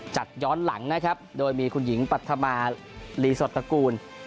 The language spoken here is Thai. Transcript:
ย้อนหลังนะครับโดยมีคุณหญิงปัธมารีสอร์ตระกูล